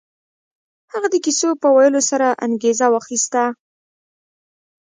هغه د کيسو په ويلو سره انګېزه واخيسته.